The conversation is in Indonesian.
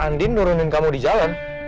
andin nurunin kamu di jalan